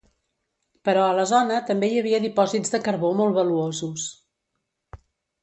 Però a la zona també hi havia dipòsits de carbó molt valuosos.